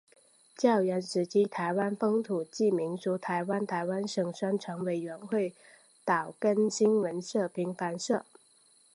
教员时期台湾风土记民俗台湾台湾省宣传委员会岛根新闻社平凡社